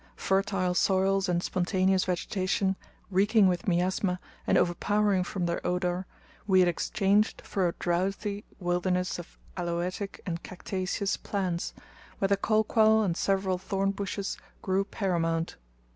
Fertile soils and spontaneous vegetation, reeking with miasma and overpowering from their odour, we had exchanged for a drouthy wilderness of aloetic and cactaceous plants, where the kolquall and several thorn bushes grew paramount.